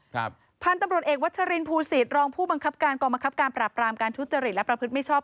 พันธุ์ตำรวจเอกวัชรินภูศิษย์รองผู้บังคับการกองบังคับการปราบรามการทุจริตและประพฤติมิชชอบ